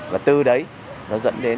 và từ đấy nó dẫn đến